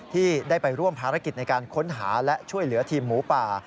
ที่ได้ไปร่วมภารกิจในการค้นหาและช่วยเหลือทีมหมูป่า